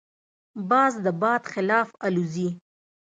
باز د باد خلاف الوزي